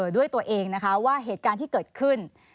ด้วยตัวเองนะคะว่าเหตุการณ์ที่เกิดขึ้น